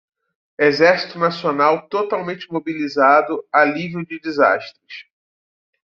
Exército nacional totalmente mobilizado alívio de desastres